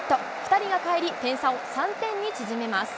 ２人がかえり、点差を３点に縮めます。